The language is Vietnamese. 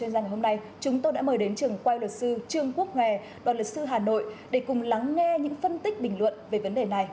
vậy nguyên nhân vì sao